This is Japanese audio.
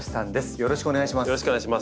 よろしくお願いします。